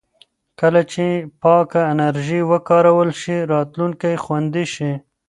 کله چې پاکه انرژي وکارول شي، راتلونکی خوندي شي.